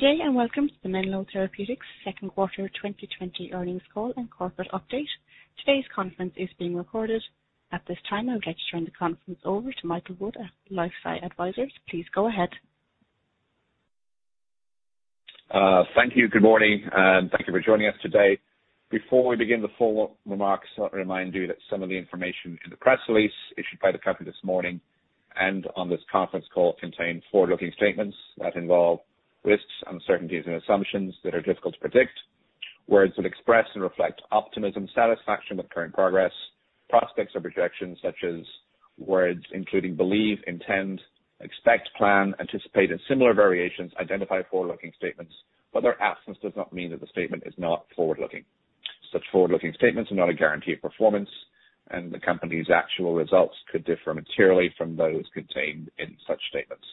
Good day, welcome to the Menlo Therapeutics second quarter 2020 earnings call and corporate update. Today's conference is being recorded. At this time, I would like to turn the conference over to Michael Wood at LifeSci Advisors. Please go ahead. Thank you. Good morning, and thank you for joining us today. Before we begin the forward remarks, I'll remind you that some of the information in the press release issued by the company this morning and on this conference call contains forward-looking statements that involve risks, uncertainties, and assumptions that are difficult to predict, whereas it express and reflect optimism, satisfaction with current progress, prospects or projections such as words including believe, intend, expect, plan, anticipate, and similar variations identify forward-looking statements, but their absence does not mean that the statement is not forward-looking. Such forward-looking statements are not a guarantee of performance, and the company's actual results could differ materially from those contained in such statements.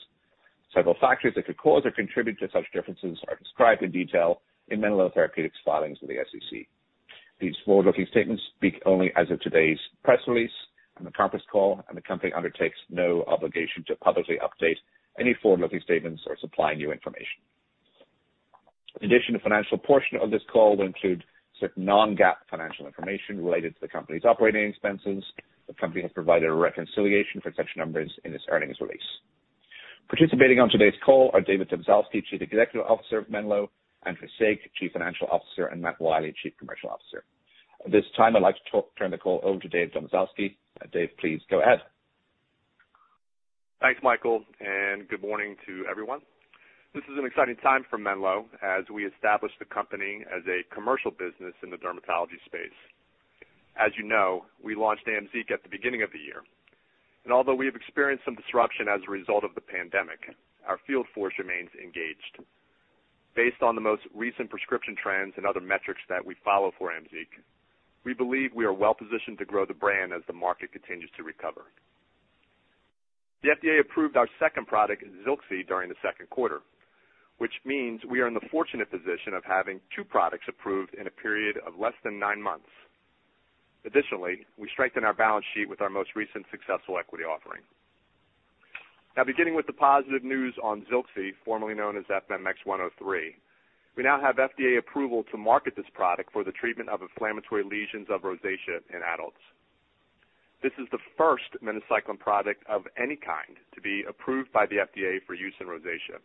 Several factors that could cause or contribute to such differences are described in detail in Menlo Therapeutics' filings with the SEC. These forward-looking statements speak only as of today's press release and the conference call, and the company undertakes no obligation to publicly update any forward-looking statements or supply new information. In addition, the financial portion of this call will include certain non-GAAP financial information related to the company's operating expenses. The company has provided a reconciliation for such numbers in its earnings release. Participating on today's call are David Domzalski, Chief Executive Officer of Menlo, Andrew Saik, Chief Financial Officer, and Matt Wiley, Chief Commercial Officer. At this time, I'd like to turn the call over to Dave Domzalski. Dave, please go ahead. Thanks, Michael. Good morning to everyone. This is an exciting time for VYNE Therapeutics as we establish the company as a commercial business in the dermatology space. As you know, we launched AMZEEQ at the beginning of the year. Although we have experienced some disruption as a result of the pandemic, our field force remains engaged. Based on the most recent prescription trends and other metrics that we follow for AMZEEQ, we believe we are well-positioned to grow the brand as the market continues to recover. The FDA approved our second product, ZILXI, during the second quarter, which means we are in the fortunate position of having two products approved in a period of less than nine months. Additionally, we strengthened our balance sheet with our most recent successful equity offering. Beginning with the positive news on ZILXI, formerly known as FMX103, we now have FDA approval to market this product for the treatment of inflammatory lesions of rosacea in adults. This is the first minocycline product of any kind to be approved by the FDA for use in rosacea.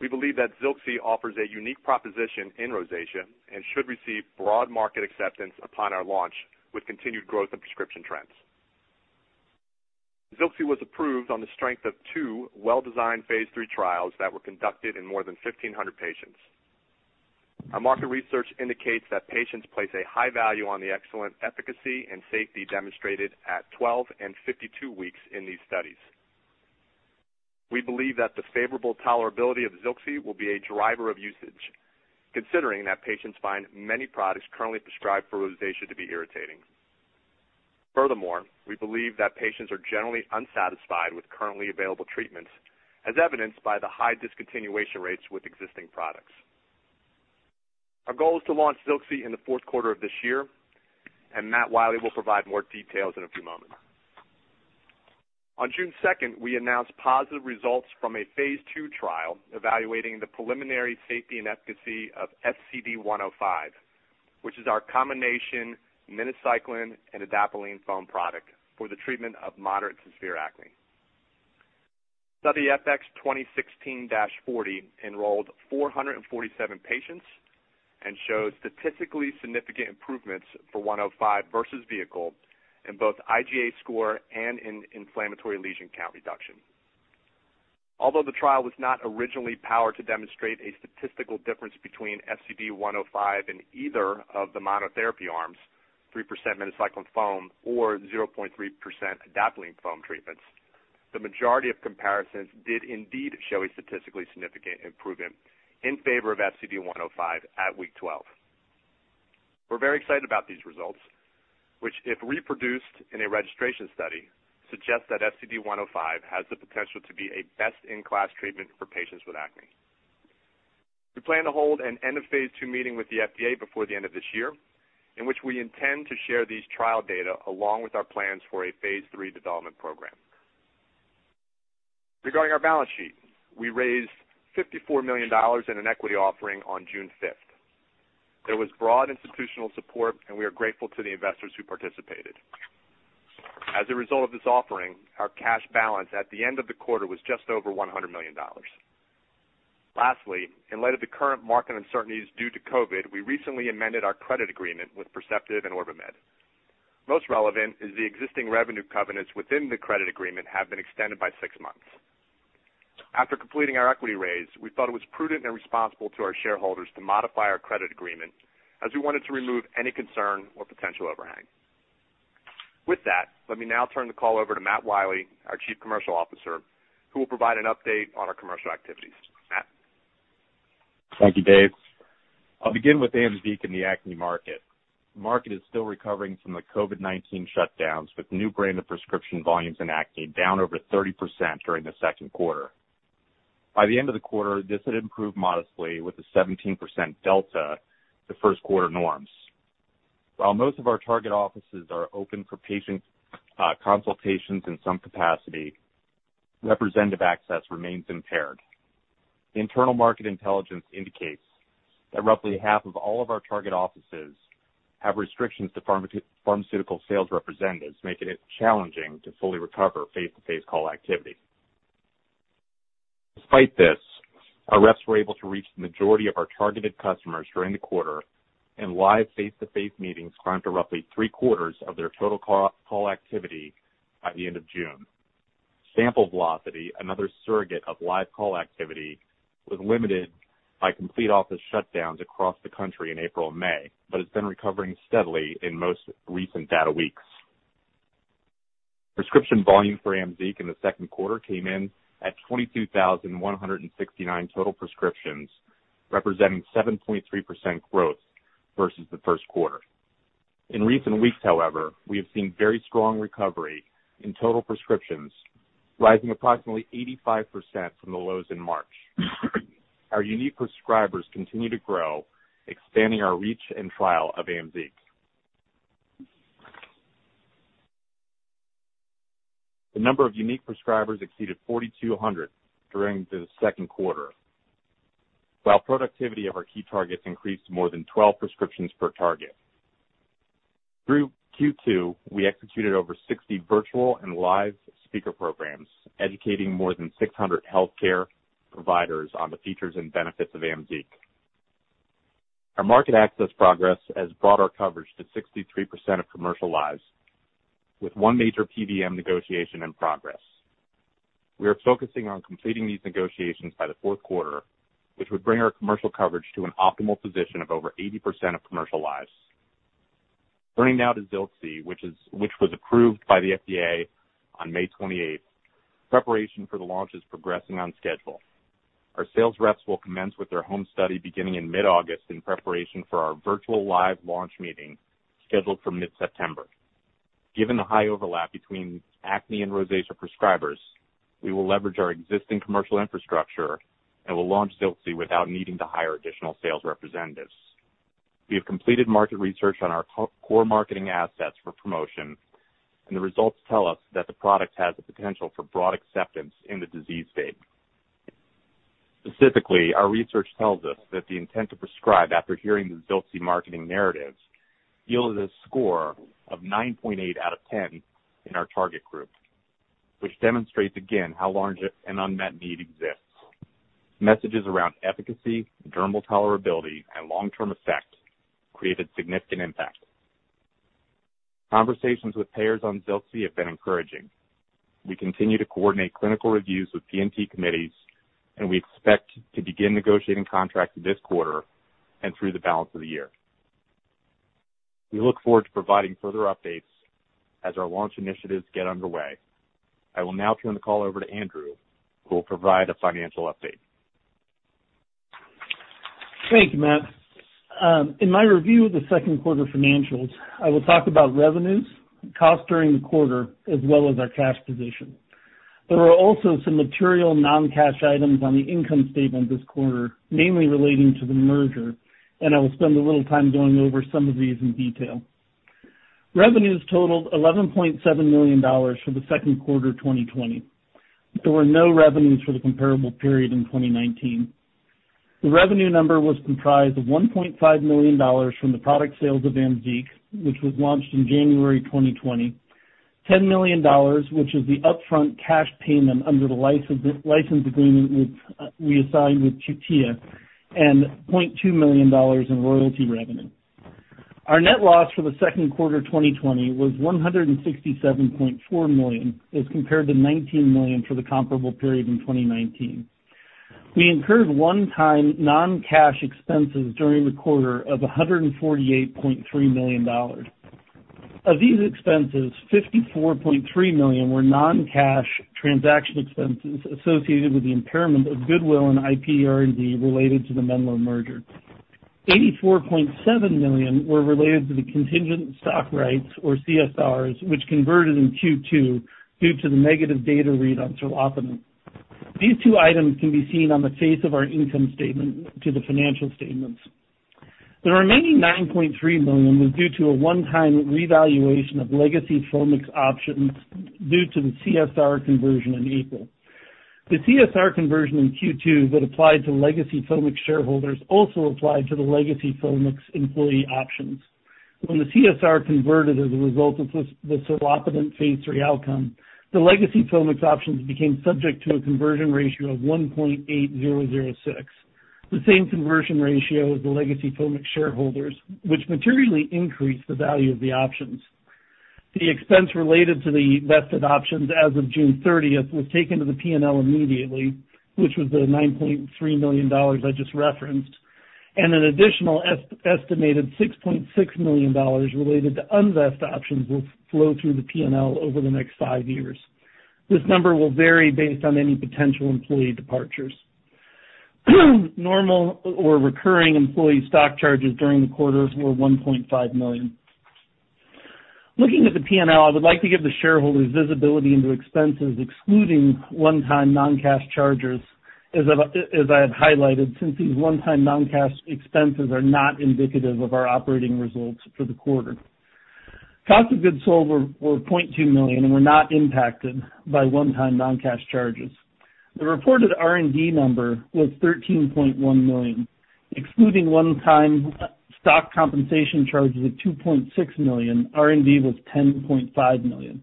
We believe that ZILXI offers a unique proposition in rosacea and should receive broad market acceptance upon our launch with continued growth in prescription trends. ZILXI was approved on the strength of 2 well-designed phase III trials that were conducted in more than 1,500 patients. Our market research indicates that patients place a high value on the excellent efficacy and safety demonstrated at 12 and 52 weeks in these studies. We believe that the favorable tolerability of ZILXI will be a driver of usage, considering that patients find many products currently prescribed for rosacea to be irritating. Furthermore, we believe that patients are generally unsatisfied with currently available treatments, as evidenced by the high discontinuation rates with existing products. Our goal is to launch ZILXI in the fourth quarter of this year, and Matt Wiley will provide more details in a few moments. On June 2nd, we announced positive results from a phase II trial evaluating the preliminary safety and efficacy of FCD105, which is our combination minocycline and adapalene foam product for the treatment of moderate to severe acne. Study FX2016-40 enrolled 447 patients and showed statistically significant improvements for 105 versus vehicle in both IGA score and in inflammatory lesion count reduction. Although the trial was not originally powered to demonstrate a statistical difference between FCD105 and either of the monotherapy arms, 3% minocycline foam or 0.3% adapalene foam treatments, the majority of comparisons did indeed show a statistically significant improvement in favor of FCD105 at week 12. We're very excited about these results, which, if reproduced in a registration study, suggest that FCD105 has the potential to be a best-in-class treatment for patients with acne. We plan to hold an end-of-phase II meeting with the FDA before the end of this year, in which we intend to share these trial data along with our plans for a phase III development program. Regarding our balance sheet, we raised $54 million in an equity offering on June 5th. There was broad institutional support, and we are grateful to the investors who participated. As a result of this offering, our cash balance at the end of the quarter was just over $100 million. Lastly, in light of the current market uncertainties due to COVID-19, we recently amended our credit agreement with Perceptive and OrbiMed. Most relevant is the existing revenue covenants within the credit agreement have been extended by six months. After completing our equity raise, we thought it was prudent and responsible to our shareholders to modify our credit agreement as we wanted to remove any concern or potential overhang. With that, let me now turn the call over to Matt Wiley, our Chief Commercial Officer, who will provide an update on our commercial activities. Matt? Thank you, Dave. I'll begin with AMZEEQ in the acne market. The market is still recovering from the COVID-19 shutdowns, with new brand and prescription volumes in acne down over 30% during the second quarter. By the end of the quarter, this had improved modestly with a 17% delta to first-quarter norms. While most of our target offices are open for patient consultations in some capacity, representative access remains impaired. Internal market intelligence indicates that roughly half of all of our target offices have restrictions to pharmaceutical sales representatives, making it challenging to fully recover face-to-face call activity. Despite this, our reps were able to reach the majority of our targeted customers during the quarter, and live face-to-face meetings climbed to roughly three-quarters of their total call activity by the end of June. Sample velocity, another surrogate of live call activity, was limited by complete office shutdowns across the country in April and May, but has been recovering steadily in most recent data weeks. Prescription volume for AMZEEQ in the second quarter came in at 22,169 total prescriptions, representing 7.3% growth versus the first quarter. In recent weeks, however, we have seen very strong recovery in total prescriptions, rising approximately 85% from the lows in March. Our unique prescribers continue to grow, expanding our reach and trial of AMZEEQ. The number of unique prescribers exceeded 4,200 during the second quarter, while productivity of our key targets increased more than 12 prescriptions per target. Through Q2, we executed over 60 virtual and live speaker programs, educating more than 600 healthcare providers on the features and benefits of AMZEEQ. Our market access progress has brought our coverage to 63% of commercial lives, with one major PBM negotiation in progress. We are focusing on completing these negotiations by the fourth quarter, which would bring our commercial coverage to an optimal position of over 80% of commercial lives. Turning now to ZILXI, which was approved by the FDA on May 28th. Preparation for the launch is progressing on schedule. Our sales reps will commence with their home study beginning in mid-August in preparation for our virtual live launch meeting scheduled for mid-September. Given the high overlap between acne and rosacea prescribers, we will leverage our existing commercial infrastructure and will launch ZILXI without needing to hire additional sales representatives. We have completed market research on our core marketing assets for promotion, and the results tell us that the product has the potential for broad acceptance in the disease state. Specifically, our research tells us that the intent to prescribe after hearing the ZILXI marketing narratives yielded a score of 9.8 out of 10 in our target group, which demonstrates again how large an unmet need exists. Messages around efficacy, dermal tolerability, and long-term effect created significant impact. Conversations with payers on ZILXI have been encouraging. We continue to coordinate clinical reviews with P&T committees. We expect to begin negotiating contracts this quarter and through the balance of the year. We look forward to providing further updates as our launch initiatives get underway. I will now turn the call over to Andrew, who will provide a financial update. Thank you, Matt. In my review of the second quarter financials, I will talk about revenues, costs during the quarter, as well as our cash position. There are also some material non-cash items on the income statement this quarter, mainly relating to the merger, and I will spend a little time going over some of these in detail. Revenues totaled $11.7 million for the second quarter 2020. There were no revenues for the comparable period in 2019. The revenue number was comprised of $1.5 million from the product sales of AMZEEQ, which was launched in January 2020, $10 million, which is the upfront cash payment under the license agreement we assigned with Cutia, and $0.2 million in royalty revenue. Our net loss for the second quarter 2020 was $167.4 million as compared to $19 million for the comparable period in 2019. We incurred one-time non-cash expenses during the quarter of $148.3 million. Of these expenses, $54.3 million were non-cash transaction expenses associated with the impairment of goodwill and IP R&D related to the Menlo merger. $84.7 million were related to the contingent stock rights, or CSRs, which converted in Q2 due to the negative data read on serlopitant. These two items can be seen on the face of our income statement to the financial statements. The remaining $9.3 million was due to a one-time revaluation of legacy Foamix options due to the CSR conversion in April. The CSR conversion in Q2 that applied to legacy Foamix shareholders also applied to the legacy Foamix employee options. When the CSR converted as a result of the serlopitant phase III outcome, the legacy Foamix options became subject to a conversion ratio of 1.8006, the same conversion ratio as the legacy Foamix shareholders, which materially increased the value of the options. The expense related to the vested options as of June 30th was taken to the P&L immediately, which was the $9.3 million I just referenced, and an additional estimated $6.6 million related to unvested options will flow through the P&L over the next five years. This number will vary based on any potential employee departures. Normal or recurring employee stock charges during the quarter were $1.5 million. Looking at the P&L, I would like to give the shareholders visibility into expenses excluding one-time non-cash charges, as I have highlighted since these one-time non-cash expenses are not indicative of our operating results for the quarter. Cost of goods sold were $20.2 million and were not impacted by one-time non-cash charges. The reported R&D number was $13.1 million, excluding one-time stock compensation charges of $2.6 million, R&D was $10.5 million.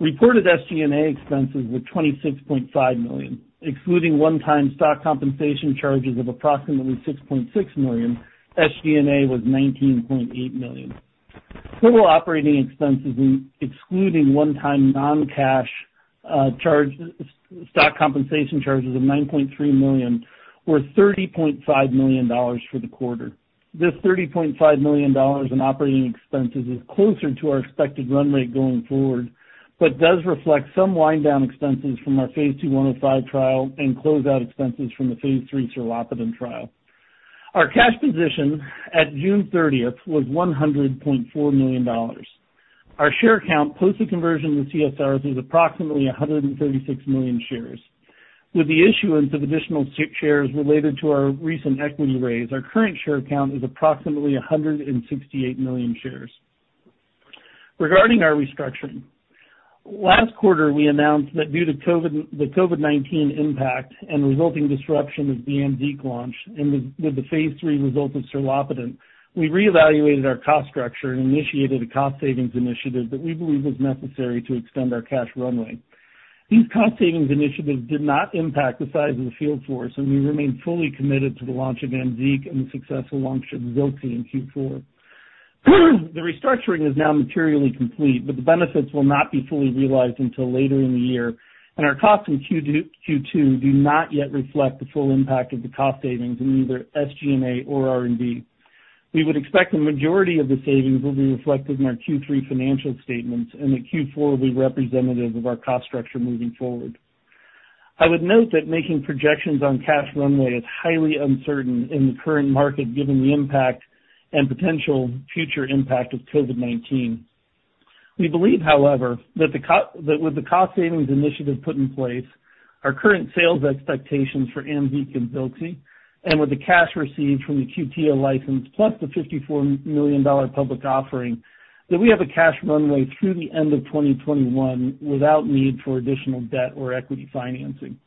Reported SG&A expenses were $26.5 million, excluding one-time stock compensation charges of approximately $6.6 million, SG&A was $19.8 million. Total operating expenses, excluding one-time non-cash stock compensation charges of $9.3 million, were $30.5 million for the quarter. This $30.5 million in operating expenses is closer to our expected run rate going forward but does reflect some wind-down expenses from our phase II 105 trial and closeout expenses from the phase III serlopitant trial. Our cash position at June 30th was $100.4 million. Our share count post the conversion with CSRs is approximately 136 million shares. With the issuance of additional shares related to our recent equity raise, our current share count is approximately 168 million shares. Regarding our restructuring, last quarter we announced that due to the COVID-19 impact and resulting disruption of AMZEEQ launch and with the phase III results of serlopitant, we reevaluated our cost structure and initiated a cost savings initiative that we believe was necessary to extend our cash runway. These cost savings initiatives did not impact the size of the field force, and we remain fully committed to the launch of AMZEEQ and the successful launch of ZILXI in Q4. The restructuring is now materially complete, but the benefits will not be fully realized until later in the year, and our costs in Q2 do not yet reflect the full impact of the cost savings in either SG&A or R&D. We would expect the majority of the savings will be reflected in our Q3 financial statements, and that Q4 will be representative of our cost structure moving forward. I would note that making projections on cash runway is highly uncertain in the current market given the impact and potential future impact of COVID-19. We believe, however, that with the cost savings initiative put in place, our current sales expectations for AMZEEQ and ZILXI, and with the cash received from the Cutia license plus the $54 million public offering, that we have a cash runway through the end of 2021 without need for additional debt or equity financing.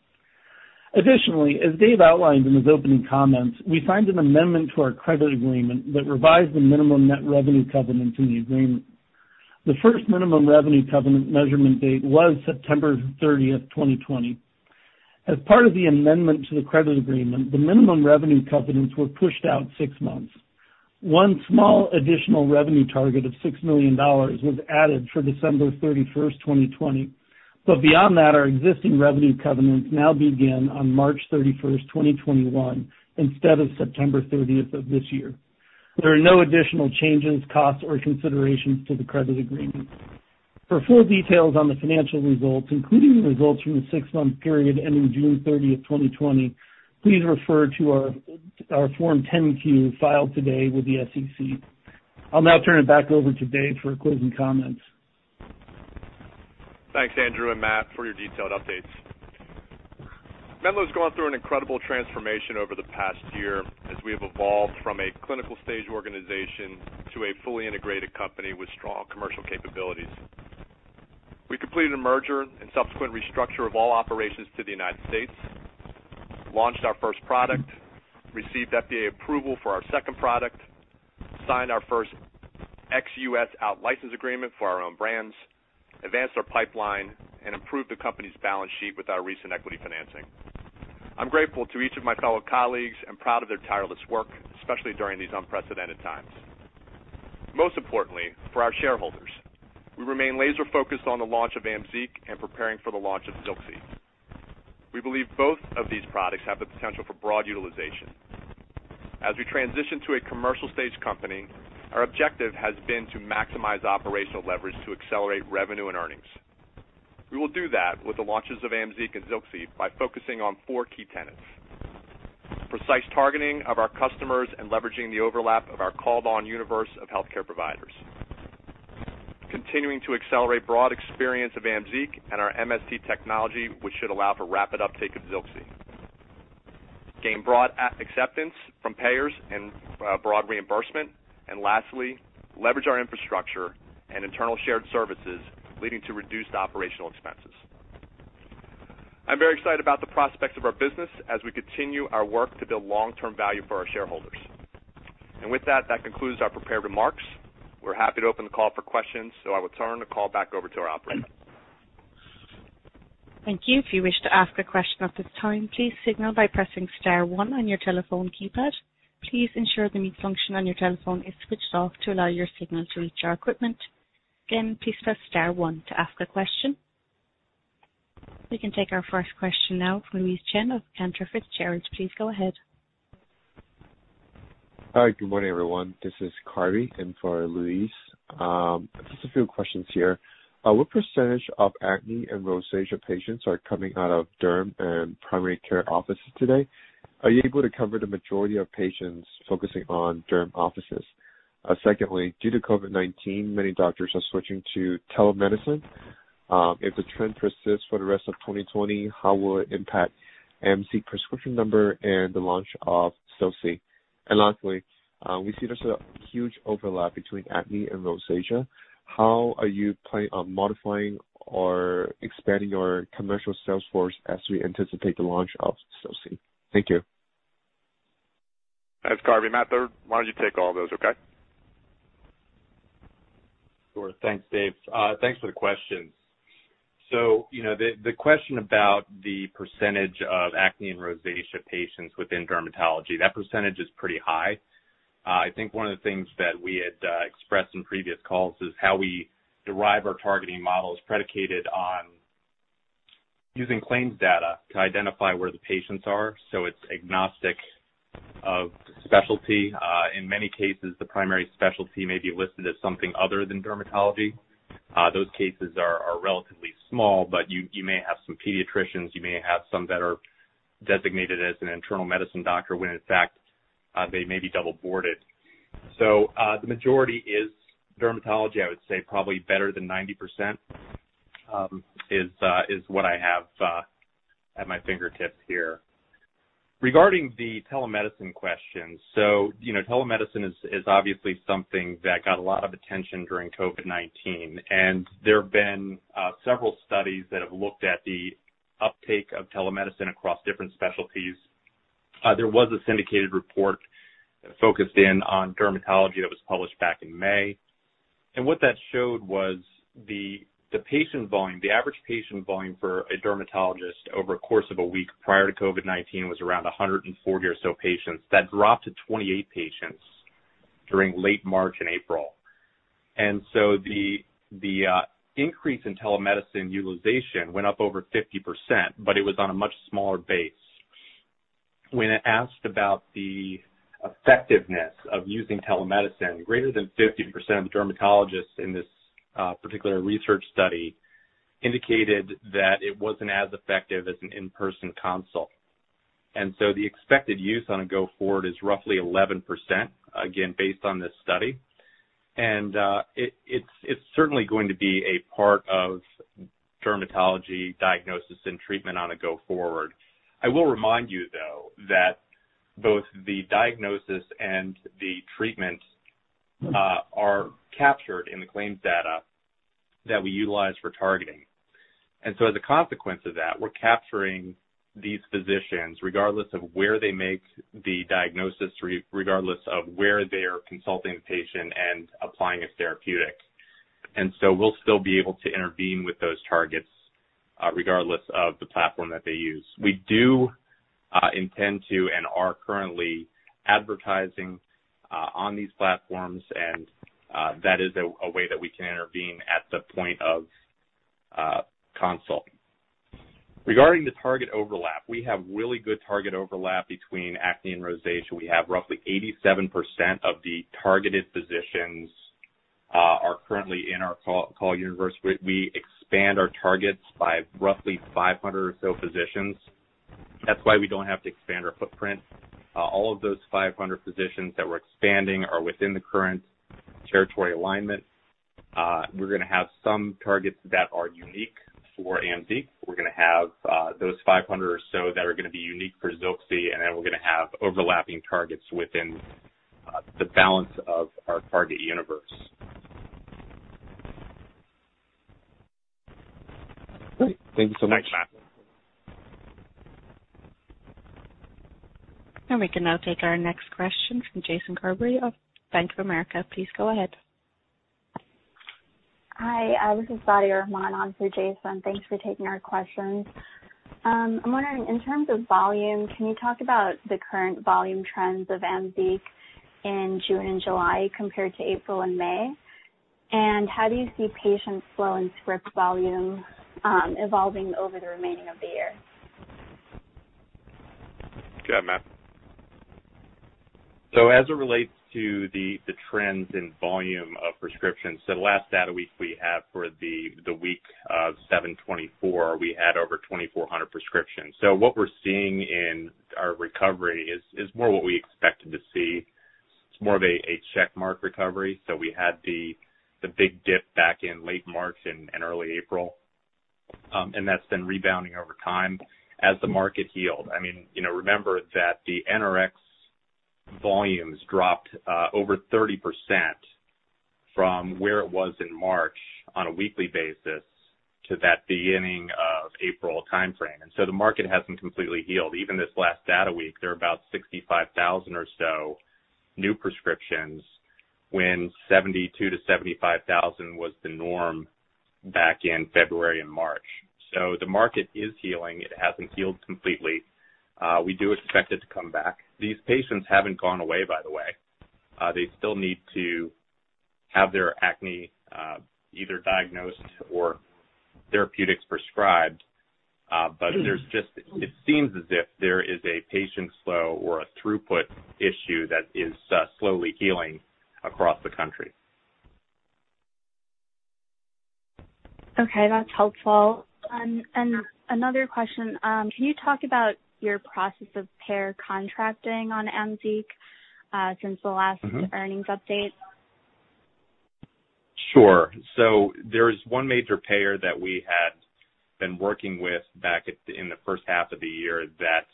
Additionally, as Dave outlined in his opening comments, we signed an amendment to our credit agreement that revised the minimum net revenue covenant in the agreement. The first minimum revenue covenant measurement date was September 30th, 2020. As part of the amendment to the credit agreement, the minimum revenue covenants were pushed out six months. One small additional revenue target of $6 million was added for December 31st, 2020. Beyond that, our existing revenue covenants now begin on March 31st, 2021, instead of September 30th of this year. There are no additional changes, costs, or considerations to the credit agreement. For full details on the financial results, including the results for the six-month period ending June 30th, 2020, please refer to our Form 10-Q filed today with the SEC. I'll now turn it back over to Dave for closing comments. Thanks, Andrew and Matt, for your detailed updates. Menlo's gone through an incredible transformation over the past year as we have evolved from a clinical stage organization to a fully integrated company with strong commercial capabilities. We completed a merger and subsequent restructure of all operations to the United States, launched our first product, received FDA approval for our second product, signed our first ex-US out-license agreement for our own brands, advanced our pipeline, and improved the company's balance sheet with our recent equity financing. I'm grateful to each of my fellow colleagues and proud of their tireless work, especially during these unprecedented times. Most importantly, for our shareholders, we remain laser-focused on the launch of AMZEEQ and preparing for the launch of ZILXI. We believe both of these products have the potential for broad utilization. As we transition to a commercial stage company, our objective has been to maximize operational leverage to accelerate revenue and earnings. We will do that with the launches of AMZEEQ and ZILXI by focusing on four key tenets. Precise targeting of our customers and leveraging the overlap of our called-on universe of healthcare providers. Continuing to accelerate broad experience of AMZEEQ and our MST technology, which should allow for rapid uptake of ZILXI. Gain broad acceptance from payers and broad reimbursement. Lastly, leverage our infrastructure and internal shared services, leading to reduced operational expenses. I'm very excited about the prospects of our business as we continue our work to build long-term value for our shareholders. With that concludes our prepared remarks. We're happy to open the call for questions, I will turn the call back over to our operator. Thank you. If you wish to ask a question at this time, please signal by pressing star 1 on your telephone keypad. Please ensure the mute function on your telephone is switched off to allow your signal to reach our equipment. Again, please press star 1 to ask a question. We can take our first question now from Louise Chen of Cantor Fitzgerald. Please go ahead. Hi. Good morning, everyone. This is Karby in for Louise. Just a few questions here. What % of acne and rosacea patients are coming out of derm and primary care offices today? Are you able to cover the majority of patients focusing on derm offices? Secondly, due to COVID-19, many doctors are switching to telemedicine. If the trend persists for the rest of 2020, how will it impact AMZEEQ prescription number and the launch of ZILXI? Lastly, we see there's a huge overlap between acne and rosacea. How are you planning on modifying or expanding your commercial sales force as we anticipate the launch of ZILXI? Thank you. Thanks Karby. Matt, why don't you take all those, okay? Sure. Thanks, Dave. Thanks for the questions. The question about the percentage of acne and rosacea patients within dermatology, that percentage is pretty high. I think one of the things that we had expressed in previous calls is how we derive our targeting model is predicated on using claims data to identify where the patients are. It's agnostic of specialty. In many cases, the primary specialty may be listed as something other than dermatology. Those cases are relatively small, but you may have some pediatricians, you may have some that are designated as an internal medicine doctor, when in fact, they may be double-boarded. The majority is dermatology. I would say probably better than 90% is what I have at my fingertips here. Regarding the telemedicine question, telemedicine is obviously something that got a lot of attention during COVID-19. There have been several studies that have looked at the uptake of telemedicine across different specialties. There was a syndicated report focused in on dermatology that was published back in May. What that showed was the average patient volume for a dermatologist over a course of a week prior to COVID-19 was around 140 or so patients. That dropped to 28 patients during late March and April. The increase in telemedicine utilization went up over 50%, but it was on a much smaller base. When asked about the effectiveness of using telemedicine, greater than 50% of the dermatologists in this particular research study indicated that it wasn't as effective as an in-person consult. The expected use on a go-forward is roughly 11%, again, based on this study. It's certainly going to be a part of dermatology diagnosis and treatment on a go forward. I will remind you, though, that both the diagnosis and the treatment are captured in the claims data that we utilize for targeting. As a consequence of that, we're capturing these physicians, regardless of where they make the diagnosis, regardless of where they are consulting the patient and applying a therapeutic. We'll still be able to intervene with those targets, regardless of the platform that they use. We do intend to and are currently advertising on these platforms, and that is a way that we can intervene at the point of consult. Regarding the target overlap, we have really good target overlap between acne and rosacea. We have roughly 87% of the targeted physicians are currently in our call universe. We expand our targets by roughly 500 or so physicians. That's why we don't have to expand our footprint. All of those 500 physicians that we're expanding are within the current territory alignment. We're going to have some targets that are unique for AMZEEQ. We're going to have those 500 or so that are going to be unique for ZILXI, and then we're going to have overlapping targets within the balance of our target universe. Great. Thank you so much. Thanks, Matt. We can now take our next question from Jason Gerberry of Bank of America. Please go ahead. Hi, this is Badi Rahman on for Jason. Thanks for taking our questions. I'm wondering, in terms of volume, can you talk about the current volume trends of AMZEEQ in June and July compared to April and May? How do you see patient flow and script volume evolving over the remaining of the year? Go ahead, Matt. As it relates to the trends in volume of prescriptions, the last data week we have for the week of 7/24, we had over 2,400 prescriptions. What we're seeing in our recovery is more what we expected to see. It's more of a check mark recovery. We had the big dip back in late March and early April, and that's been rebounding over time as the market healed. Remember that the NRX volumes dropped over 30% from where it was in March on a weekly basis to that beginning of April timeframe. The market hasn't completely healed. Even this last data week, there are about 65,000 or so new prescriptions when 72,000-75,000 was the norm back in February and March. The market is healing. It hasn't healed completely. We do expect it to come back. These patients haven't gone away, by the way. They still need to have their acne either diagnosed or therapeutics prescribed, but it seems as if there is a patient flow or a throughput issue that is slowly healing across the country. Okay, that's helpful. Another question? Can you talk about your process of payer contracting on AMZEEQ since the last earnings update? Sure. There's one major payer that we had been working with back in the first half of the year that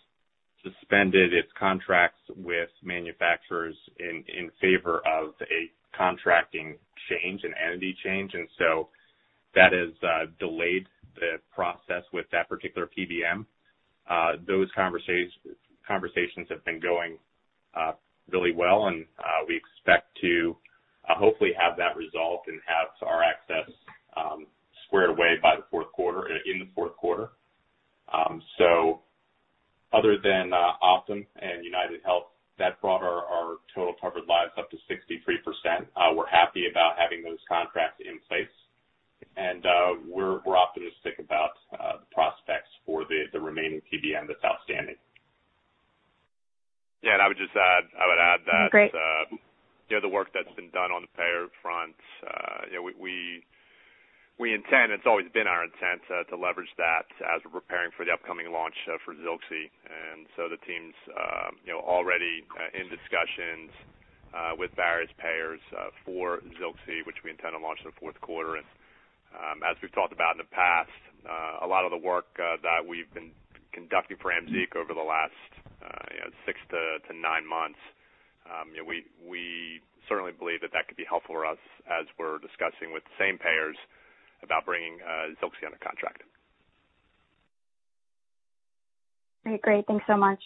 suspended its contracts with manufacturers in favor of a contracting change, an entity change, and so that has delayed the process with that particular PBM. Those conversations have been going really well, and we expect to hopefully have that resolved and have our access squared away in the fourth quarter. Other than Optum and UnitedHealth, that brought our total covered lives up to 63%. We're happy about having those contracts in place. We're optimistic about the prospects for the remaining PBM that's outstanding. Yeah, I would just add that. Great The work that's been done on the payer front, it's always been our intent to leverage that as we're preparing for the upcoming launch for ZILXI. The team's already in discussions with various payers for ZILXI, which we intend to launch in the fourth quarter. As we've talked about in the past, a lot of the work that we've been conducting for AMZEEQ over the last six to nine months, we certainly believe that that could be helpful for us as we're discussing with the same payers about bringing ZILXI under contract. Great. Great. Thanks so much.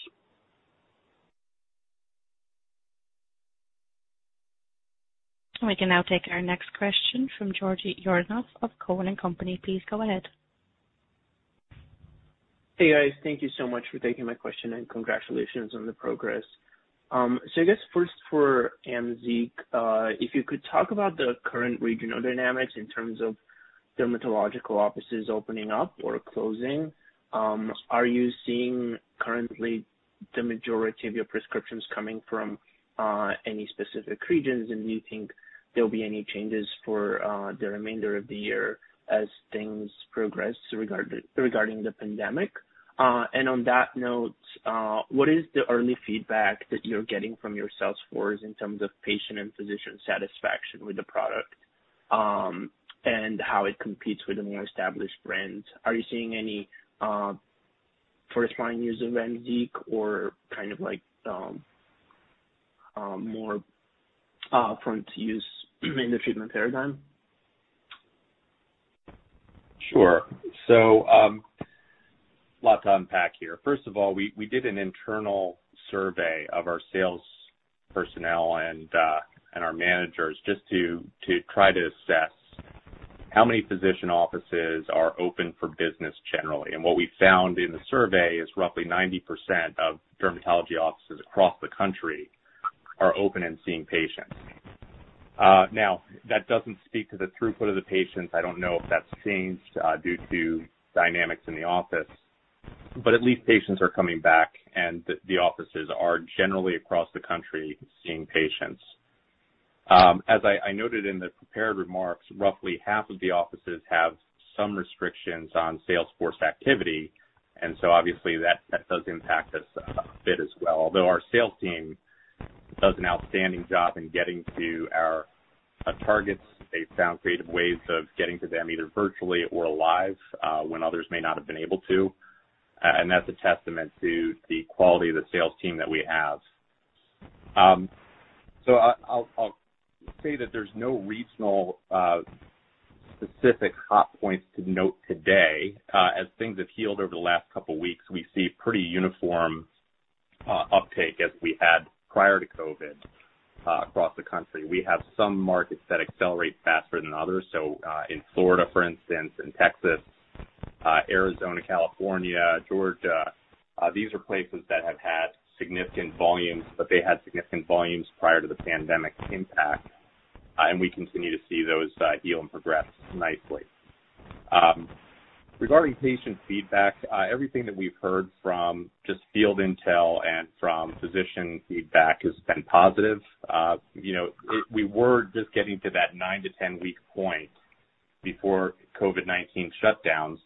We can now take our next question from Georgi Yordanov of Cowen and Company. Please go ahead. Hey, guys. Thank you so much for taking my question. Congratulations on the progress. I guess first for AMZEEQ, if you could talk about the current regional dynamics in terms of dermatological offices opening up or closing. Are you seeing currently the majority of your prescriptions coming from any specific regions? Do you think there'll be any changes for the remainder of the year as things progress regarding the pandemic? On that note, what is the early feedback that you're getting from your sales force in terms of patient and physician satisfaction with the product? How it competes with the more established brands? Are you seeing any first-line use of AMZEEQ or more upfront use in the treatment paradigm? Sure. A lot to unpack here. First of all, we did an internal survey of our sales personnel and our managers just to try to assess how many physician offices are open for business generally. What we found in the survey is roughly 90% of dermatology offices across the country are open and seeing patients. That doesn't speak to the throughput of the patients. I don't know if that's changed due to dynamics in the office. At least patients are coming back, and the offices are generally across the country seeing patients. As I noted in the prepared remarks, roughly half of the offices have some restrictions on sales force activity, and so obviously that does impact us a bit as well, although our sales team does an outstanding job in getting to our targets. They found creative ways of getting to them, either virtually or live, when others may not have been able to, and that's a testament to the quality of the sales team that we have. I'll say that there's no regional specific hot points to note today. As things have healed over the last couple of weeks, we see pretty uniform uptake as we had prior to COVID-19 across the country. We have some markets that accelerate faster than others. In Florida, for instance, in Texas, Arizona, California, Georgia, these are places that have had significant volumes, but they had significant volumes prior to the pandemic impact, and we continue to see those heal and progress nicely. Regarding patient feedback, everything that we've heard from just field intel and from physician feedback has been positive. We were just getting to that nine-to-10 week point before COVID-19 shutdowns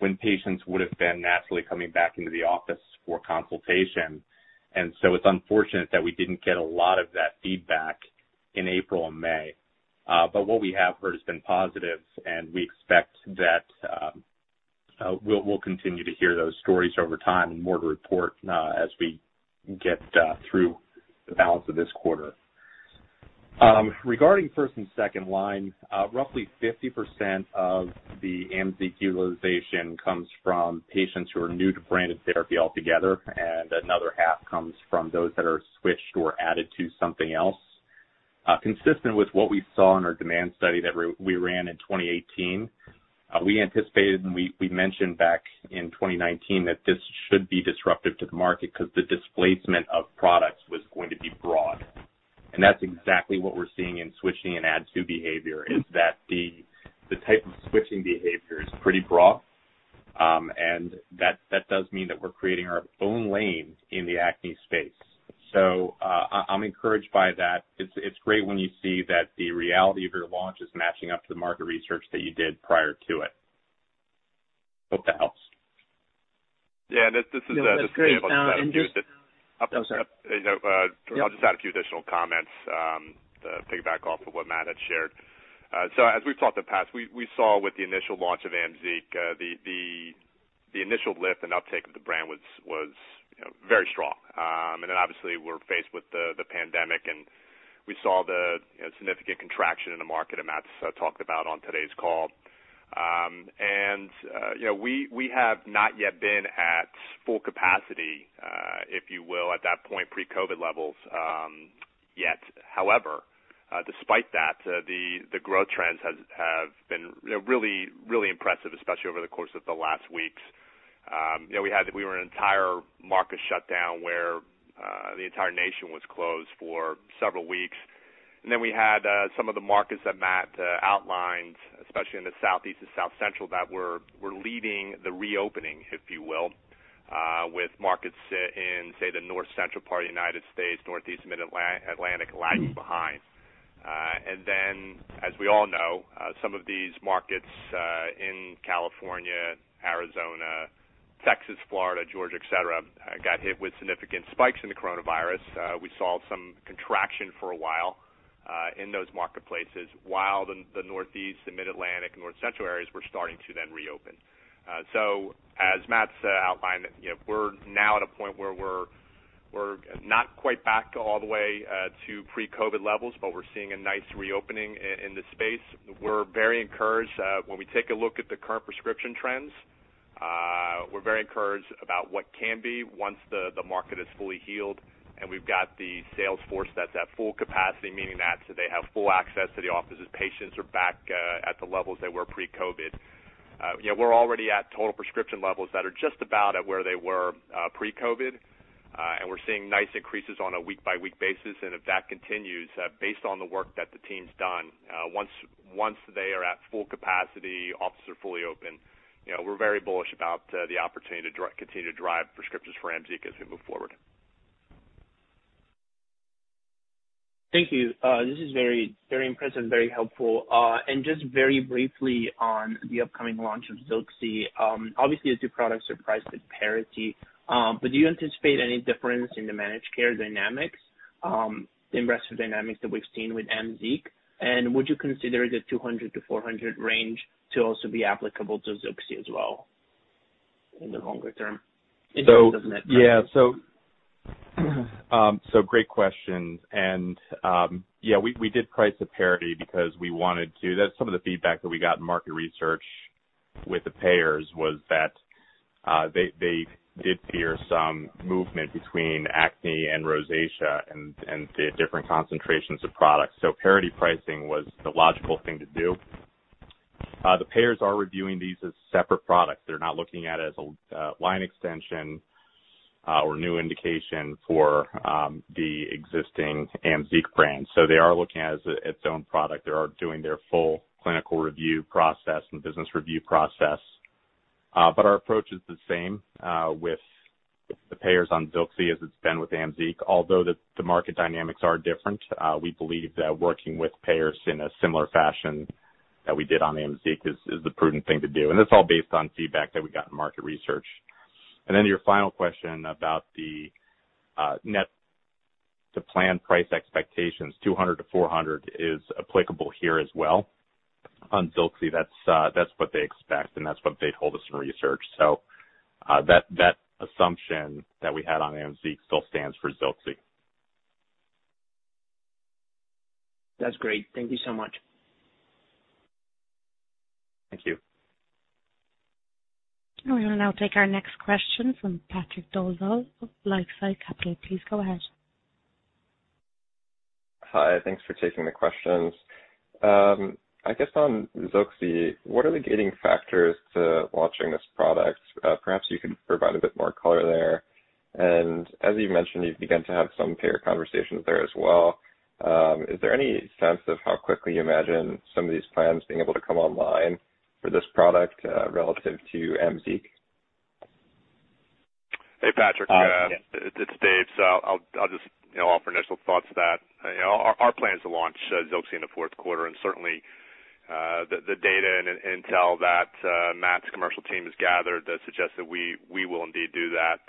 when patients would've been naturally coming back into the office for consultation. It's unfortunate that we didn't get a lot of that feedback in April and May. What we have heard has been positive, and we expect that we'll continue to hear those stories over time and more to report as we get through the balance of this quarter. Regarding first and second line, roughly 50% of the AMZEEQ utilization comes from patients who are new to branded therapy altogether, and another half comes from those that are switched or added to something else. Consistent with what we saw in our demand study that we ran in 2018, we anticipated, and we mentioned back in 2019 that this should be disruptive to the market because the displacement of products was going to be broad. That's exactly what we're seeing in switching and add-to behavior, is that the type of switching behavior is pretty broad. That does mean that we're creating our own lane in the acne space. I'm encouraged by that. It's great when you see that the reality of your launch is matching up to the market research that you did prior to it. Hope that helps. Yeah. This is Dave. That's great. Oh, sorry. I'll just add a few additional comments to piggyback off of what Matt had shared. As we've talked in the past, we saw with the initial launch of AMZEEQ, the initial lift and uptake of the brand was very strong. Then obviously we're faced with the pandemic, and we saw the significant contraction in the market, and Matt talked about on today's call. We have not yet been at full capacity, if you will, at that point, pre-COVID levels yet. However, despite that, the growth trends have been really impressive, especially over the course of the last weeks. We were in an entire market shutdown where the entire nation was closed for several weeks. We had some of the markets that Matt outlined, especially in the Southeast and South Central, that were leading the reopening, if you will, with markets in, say, the North Central part of the United States, Northeast and Mid-Atlantic lagging behind. As we all know, some of these markets, in California, Arizona, Texas, Florida, Georgia, et cetera, got hit with significant spikes in the coronavirus. We saw some contraction for a while in those marketplaces while the Northeast, the Mid-Atlantic, and North Central areas were starting to reopen. As Matt's outlined, we're now at a point where we're not quite back all the way to pre-COVID levels, but we're seeing a nice reopening in the space. We're very encouraged when we take a look at the current prescription trends. We're very encouraged about what can be once the market is fully healed and we've got the sales force that's at full capacity, meaning that they have full access to the offices. Patients are back at the levels they were pre-COVID. We're already at total prescription levels that are just about at where they were pre-COVID. We're seeing nice increases on a week-by-week basis. If that continues, based on the work that the team's done, once they are at full capacity, offices are fully open. We're very bullish about the opportunity to continue to drive prescriptions for AMZEEQ as we move forward. Thank you. This is very impressive and very helpful. Just very briefly on the upcoming launch of ZILXI, obviously the two products are priced at parity, but do you anticipate any difference in the managed care dynamics, the investor dynamics that we've seen with AMZEEQ? Would you consider the $200-$400 range to also be applicable to ZILXI as well in the longer term? In terms of net profit. Yeah. Great questions. Yeah, we did price at parity because we wanted to. That's some of the feedback that we got in market research with the payers was that they did fear some movement between acne and rosacea and the different concentrations of products. Parity pricing was the logical thing to do. The payers are reviewing these as separate products. They're not looking at it as a line extension or new indication for the existing AMZEEQ brand. They are looking at it as its own product. They are doing their full clinical review process and business review process. Our approach is the same with the payers on ZILXI as it's been with AMZEEQ. Although the market dynamics are different, we believe that working with payers in a similar fashion that we did on AMZEEQ is the prudent thing to do. That's all based on feedback that we got in market research. Your final question about the net to plan price expectations, $200-$400 is applicable here as well. On ZILXI, that's what they expect, and that's what they told us in research. That assumption that we had on AMZEEQ still stands for ZILXI. That's great. Thank you so much. Thank you. We will now take our next question from Patrick Dolezal of LifeSci Capital. Please go ahead. Hi, thanks for taking the questions. I guess on ZILXI, what are the gating factors to launching this product? Perhaps you could provide a bit more color there. As you mentioned, you've begun to have some payer conversations there as well. Is there any sense of how quickly you imagine some of these plans being able to come online for this product relative to AMZEEQ? Hey, Patrick. Yes. It's Dave. I'll just offer initial thoughts to that. Our plan is to launch ZILXI in the fourth quarter. Certainly, the data and intel that Matt's commercial team has gathered that suggests that we will indeed do that.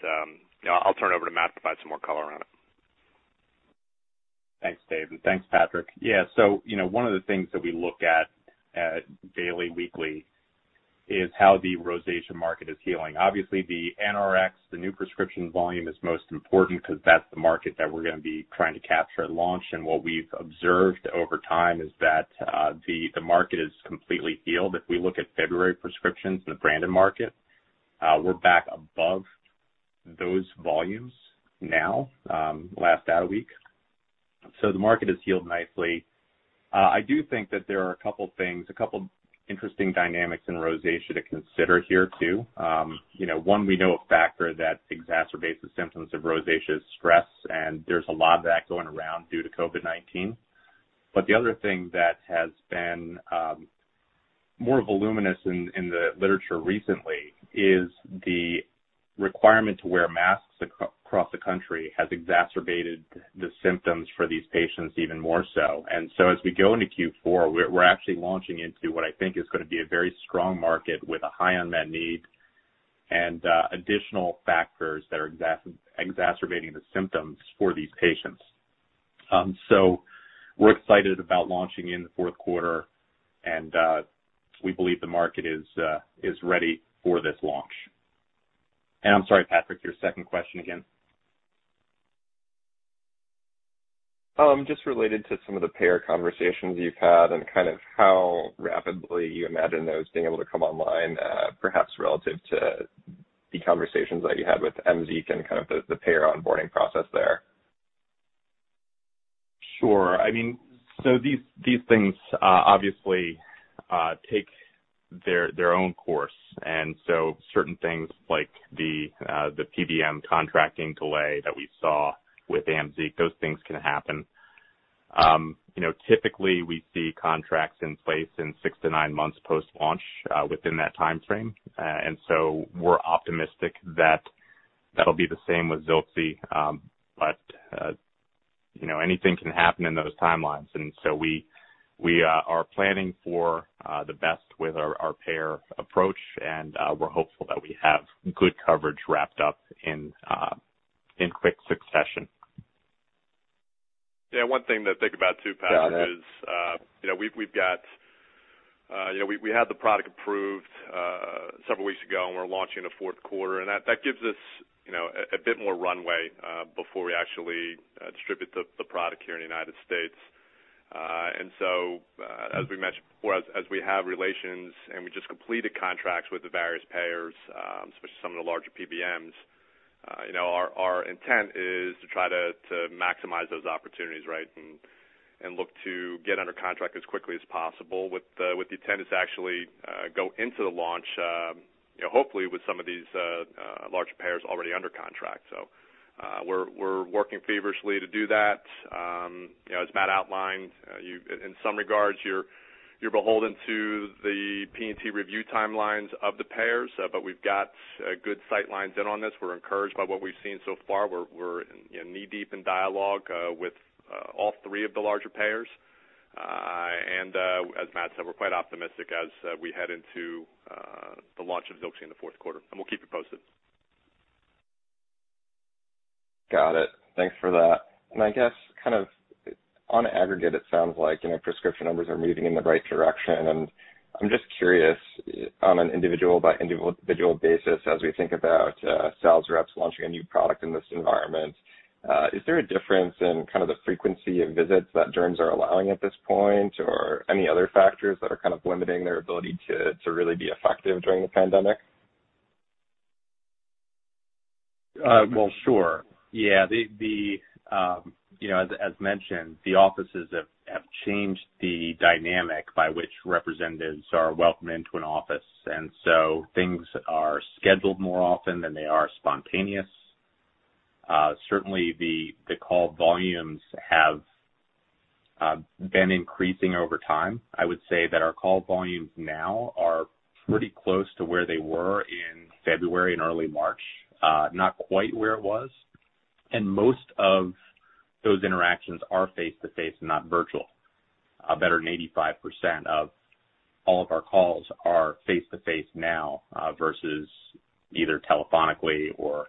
I'll turn it over to Matt to provide some more color around it. Thanks, Dave, and thanks, Patrick. Yeah. One of the things that we look at daily, weekly is how the rosacea market is healing. Obviously, the NRX, the new prescription volume is most important because that's the market that we're going to be trying to capture at launch. What we've observed over time is that the market is completely healed. If we look at February prescriptions in the branded market, we're back above those volumes now, last data week. The market has healed nicely. I do think that there are a couple things, a couple interesting dynamics in rosacea to consider here too. We know a factor that exacerbates the symptoms of rosacea is stress, and there's a lot of that going around due to COVID-19. The other thing that has been more voluminous in the literature recently is the requirement to wear masks across the country has exacerbated the symptoms for these patients even more so. As we go into Q4, we're actually launching into what I think is going to be a very strong market with a high unmet need and additional factors that are exacerbating the symptoms for these patients. We're excited about launching in the fourth quarter, and we believe the market is ready for this launch. I'm sorry, Patrick, your second question again. Just related to some of the payer conversations you've had and how rapidly you imagine those being able to come online, perhaps relative to the conversations that you had with AMZEEQ and the payer onboarding process there. Sure. These things obviously take their own course. Certain things like the PBM contracting delay that we saw with AMZEEQ, those things can happen. Typically, we see contracts in place in six to nine months post-launch within that timeframe. We're optimistic that that'll be the same with ZILXI. Anything can happen in those timelines, we are planning for the best with our payer approach, and we're hopeful that we have good coverage wrapped up in quick succession. Yeah, one thing to think about too, Patrick. Got it. We had the product approved several weeks ago. We're launching in the fourth quarter. That gives us a bit more runway before we actually distribute the product here in the United States. As we mentioned before, as we have relations and we just completed contracts with the various payers, especially some of the larger PBMs, our intent is to try to maximize those opportunities, right? Look to get under contract as quickly as possible with the intent to actually go into the launch, hopefully with some of these larger payers already under contract. We're working feverishly to do that. As Matt outlined, in some regards, you're beholden to the P&T review timelines of the payers. We've got good sight lines in on this. We're encouraged by what we've seen so far. We're knee-deep in dialogue with all three of the larger payers. As Matt said, we're quite optimistic as we head into the launch of ZILXI in the fourth quarter, and we'll keep you posted. Got it. Thanks for that. I guess on aggregate, it sounds like prescription numbers are moving in the right direction. I'm just curious on an individual-by-individual basis as we think about sales reps launching a new product in this environment. Is there a difference in the frequency of visits that derms are allowing at this point, or any other factors that are limiting their ability to really be effective during the pandemic? Well, sure. Yeah. As mentioned, the offices have changed the dynamic by which representatives are welcomed into an office, so things are scheduled more often than they are spontaneous. Certainly, the call volumes have been increasing over time. I would say that our call volumes now are pretty close to where they were in February and early March. Not quite where it was. Most of those interactions are face-to-face and not virtual. Better than 85% of all of our calls are face-to-face now versus either telephonically or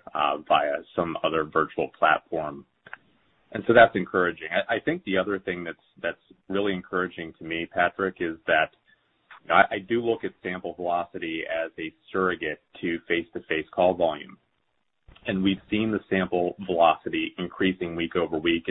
via some other virtual platform. That's encouraging. I think the other thing that's really encouraging to me, Patrick, is that I do look at sample velocity as a surrogate to face-to-face call volume. We've seen the sample velocity increasing week over week.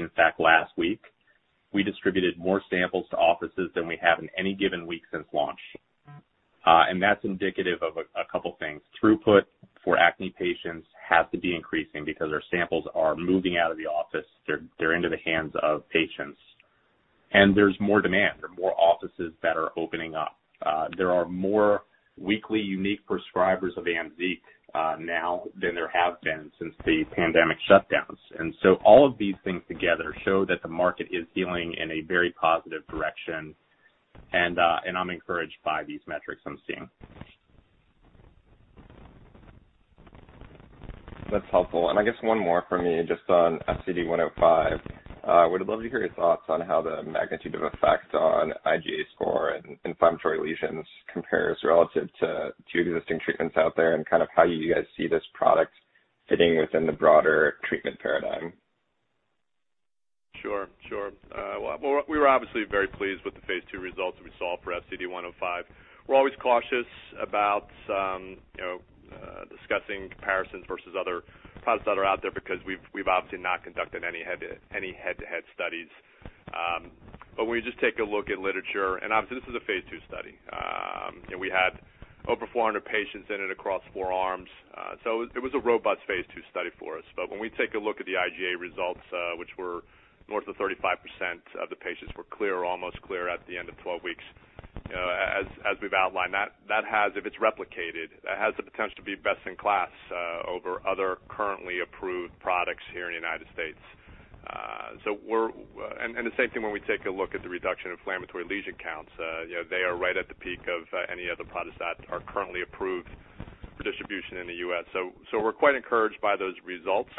That's indicative of a couple things. Throughput for acne patients has to be increasing because our samples are moving out of the office. They're into the hands of patients, and there's more demand. There are more offices that are opening up. There are more weekly unique prescribers of AMZEEQ now than there have been since the pandemic shutdowns. All of these things together show that the market is healing in a very positive direction. I'm encouraged by these metrics I'm seeing. That's helpful. I guess one more from me, just on FCD105. Would love to hear your thoughts on how the magnitude of effect on IGA score and inflammatory lesions compares relative to existing treatments out there and how you guys see this product fitting within the broader treatment paradigm. Sure. We were obviously very pleased with the phase II results we saw for FCD-105. We're always cautious about discussing comparisons versus other products that are out there because we've obviously not conducted any head-to-head studies. When you just take a look at literature, and obviously, this is a phase II study. We had over 400 patients in it across four arms. It was a robust phase II study for us. When we take a look at the IGA results, which were north of 35% of the patients were clear or almost clear at the end of 12 weeks. As we've outlined, that has, if it's replicated, has the potential to be best in class over other currently approved products here in the United States. The same thing when we take a look at the reduction in inflammatory lesion counts. They are right at the peak of any other products that are currently approved for distribution in the U.S. We're quite encouraged by those results.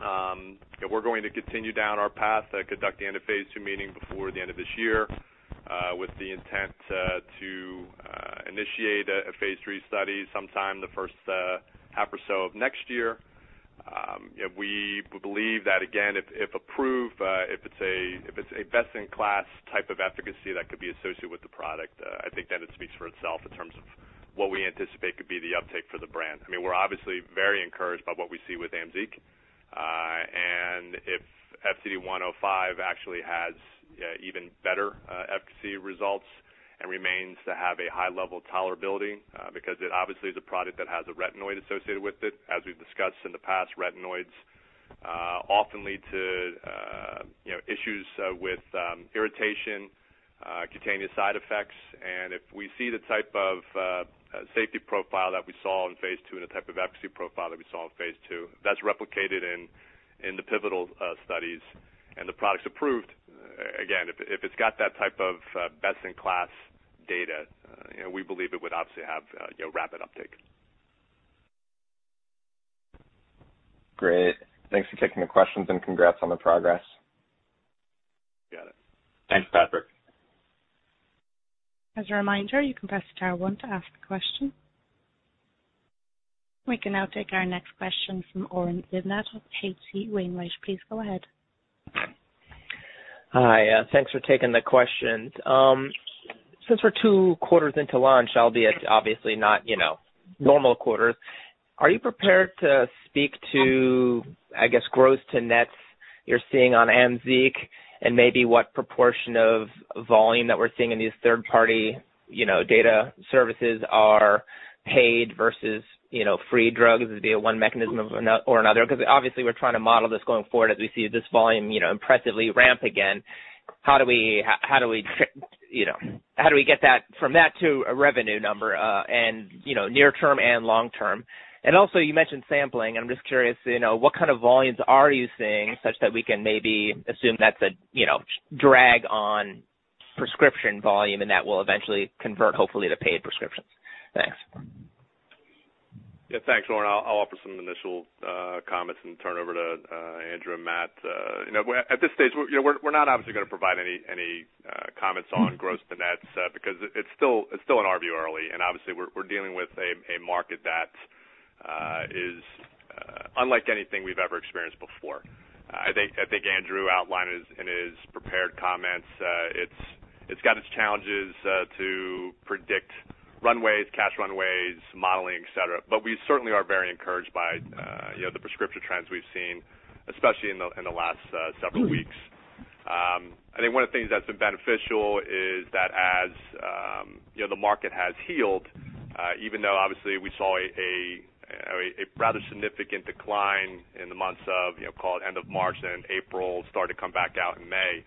We're going to continue down our path, conduct the end of phase II meeting before the end of this year, with the intent to initiate a phase III study sometime the first half or so of next year. We believe that, again, if approved, if it's a best-in-class type of efficacy that could be associated with the product, I think then it speaks for itself in terms of what we anticipate could be the uptake for the brand. We're obviously very encouraged by what we see with AMZEEQ. If FCD-105 actually has even better efficacy results and remains to have a high level of tolerability, because it obviously is a product that has a retinoid associated with it. As we've discussed in the past, retinoids often lead to issues with irritation, cutaneous side effects. If we see the type of safety profile that we saw in phase II and the type of efficacy profile that we saw in phase II, that's replicated in the pivotal studies and the product's approved. Again, if it's got that type of best-in-class data, we believe it would obviously have rapid uptake. Great. Thanks for taking the questions and congrats on the progress. You got it. Thanks, Patrick. As a reminder, you can press star one to ask a question. We can now take our next question from Oren Livnat of H.C. Wainwright Please go ahead. Hi. Thanks for taking the questions. Since we're two quarters into launch, albeit obviously not normal quarters, are you prepared to speak to, I guess, gross to nets you're seeing on AMZEEQ and maybe what proportion of volume that we're seeing in these third-party data services are paid versus free drugs, be it one mechanism or another? Obviously we're trying to model this going forward as we see this volume impressively ramp again. How do we get that from that to a revenue number and near term and long term? Also, you mentioned sampling, and I'm just curious to know what kind of volumes are you seeing such that we can maybe assume that's a drag on prescription volume and that will eventually convert hopefully to paid prescriptions? Thanks. Yeah. Thanks, Oren. I'll offer some initial comments and turn over to Andrew and Matt. At this stage, we're not obviously going to provide any comments on gross to nets because it's still in our view early, and obviously we're dealing with a market that is unlike anything we've ever experienced before. I think Andrew outlined in his prepared comments. It's got its challenges to predict runways, cash runways, modeling, et cetera. We certainly are very encouraged by the prescription trends we've seen, especially in the last several weeks. I think one of the things that's been beneficial is that as the market has healed, even though obviously we saw a rather significant decline in the months of end of March and April, start to come back out in May.